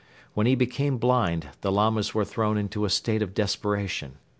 When he became blind, the Lamas were thrown into a state of desperation.